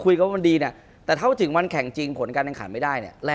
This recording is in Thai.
คุณผู้ชมบางท่าอาจจะไม่เข้าใจที่พิเตียร์สาร